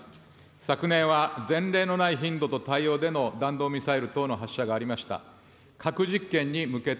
昨年は、前例のない頻度と態様での弾道ミサイル等の発射がありました。